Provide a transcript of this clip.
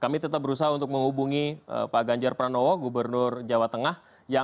kami tetap berusaha untuk menghubungi pak ganjar pranowo gubernur jawa tengah